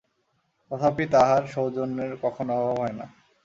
তথাপি তাঁহার সৌজন্যের কখনও অভাব হয় না।